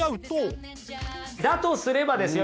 だとすればですよ